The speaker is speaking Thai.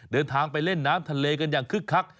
เดินทางไปเล่นน้ำทะเลกันอย่างคึกคัก